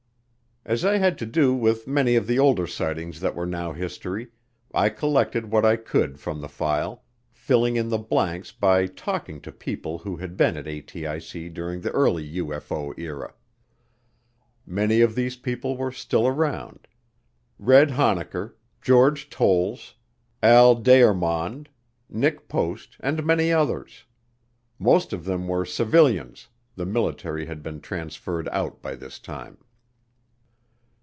As I had to do with many of the older sightings that were now history, I collected what I could from the file, filling in the blanks by talking to people who had been at ATIC during the early UFO era. Many of these people were still around, "Red" Honnacker, George Towles, Al Deyarmond, Nick Post, and many others. Most of them were civilians, the military had been transferred out by this time.